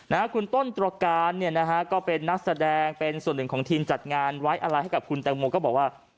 นะฮะคุณต้นตรการเนี่ยนะฮะก็เป็นนักแสดงเป็นส่วนหนึ่งของทีมจัดงานไว้อะไรให้กับคุณแตงโมก็บอกว่า